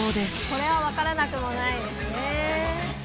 これは分からなくもないですね